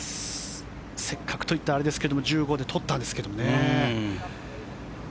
せっかくと言ったらあれですが１５で取ったんですけどね。